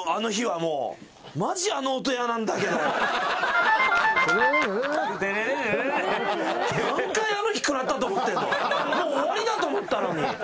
もう終わりだと思ったのに。